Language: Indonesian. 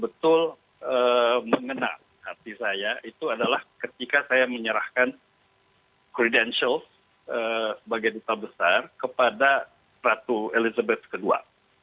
betul mengenal hati saya itu adalah ketika saya menyerahkan credentials sebagai duta besar kepada ratu elizabeth ii